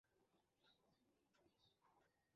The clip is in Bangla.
আমি তোমায় তা করতে দেব না।